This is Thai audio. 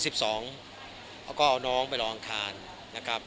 เขาก็เอาน้องไปรออังคารนะครับ